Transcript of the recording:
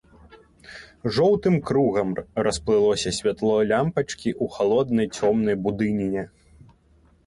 Жоўтым кругам расплылося святло лямпачкі ў халоднай цёмнай будыніне.